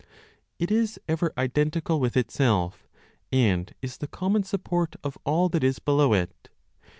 It is ever identical with itself, and is the common support of all that is below it.